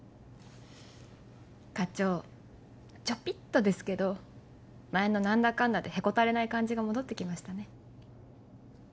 課長ちょぴっとですけど前の何だかんだでへこたれない感じが戻って来ましたね。